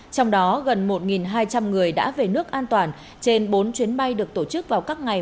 trong đó gần một hai trăm linh người đã về nước an toàn trên bốn chuyến bay được tổ chức vào các ngày